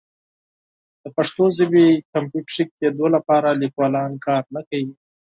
د پښتو ژبې د کمپیوټري کیدو لپاره لیکوالان کار نه کوي.